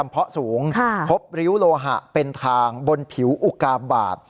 พบริ้วโลหะเป็นทางบนผิวอุกาบาท